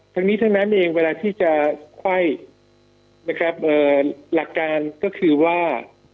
ทั้งนี้ทั้งนั้นเองเวลาที่จะไขว้นะครับหลักการก็คือว่า